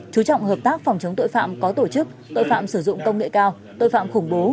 chú trọng hợp tác phòng chống tội phạm có tổ chức tội phạm sử dụng công nghệ cao tội phạm khủng bố